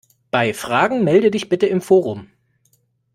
Bei Fragen melde dich bitte im Forum!